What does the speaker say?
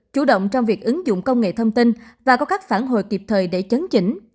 chủ động trong việc ứng dụng công nghệ thông tin và có các phản hồi kịp thời để chấn chỉnh